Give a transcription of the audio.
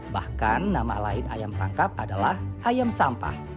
bahkan nama lain ayam tangkap adalah ayam sampah